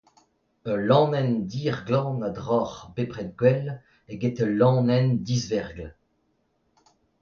Ul laonenn dir glan a droc'h bepred gwell eget ul laonenn disvergl.